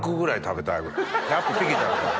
１００匹食べたい。